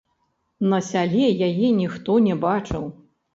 На сяле яе ніхто не бачыў.